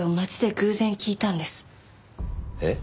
えっ？